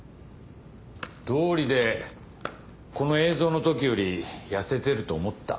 どうりでこの映像の時より痩せてると思った。